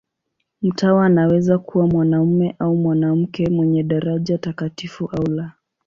Mtawa anaweza kuwa mwanamume au mwanamke, mwenye daraja takatifu au la.